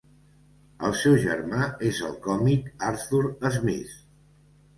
El seu germà és el còmic Arthur Smith.